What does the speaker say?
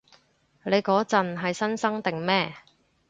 你嗰陣係新生定咩？